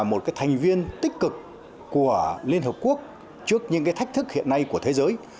một thành viên tích cực của liên hợp quốc trước những thách thức hiện nay của thế giới